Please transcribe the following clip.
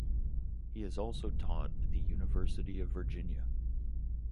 He has also taught at the University of Virginia.